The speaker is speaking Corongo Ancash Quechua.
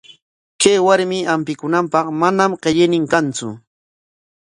Kay warmi hampikunanpaq manam qillaynin kantsu.